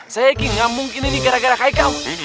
saya yakin gak mungkin ini gara gara hikau